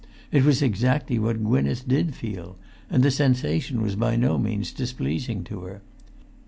It was exactly what Gwynneth did feel, and the sensation was by no means displeasing to her.